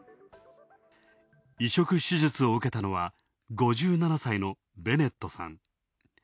移植手術を受けたのは、５７歳のベネットさん。